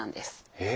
えっ？